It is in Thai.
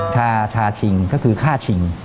ชาชิงก็คือฆ่าชิง